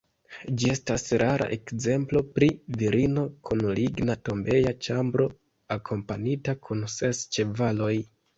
Ĝi estas rara ekzemplo pri virino kun ligna tombeja ĉambro, akompanita kun ses ĉevaloj.